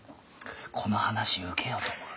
この話受けようと思う。